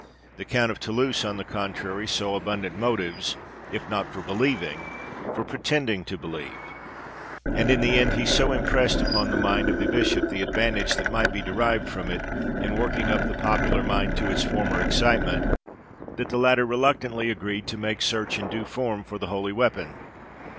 The Count of Toulouse, on the contrary, saw abundant motives, if not for believing, for pretending to believe; and, in the end, he so impressed upon the mind of the bishop the advantage that might be derived from it, in working up the popular mind to its former excitement, that the latter reluctantly agreed to make search in due form for the holy weapon.